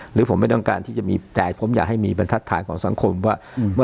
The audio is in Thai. หรือผมไม่ต้องการที่จะมีแต่ผมอยากให้มีบรรทัศนของสังคมว่า